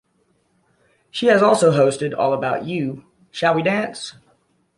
She has also hosted "All About You", "Shall We Dance?